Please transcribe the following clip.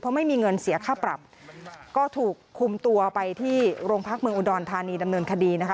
เพราะไม่มีเงินเสียค่าปรับก็ถูกคุมตัวไปที่โรงพักเมืองอุดรธานีดำเนินคดีนะคะ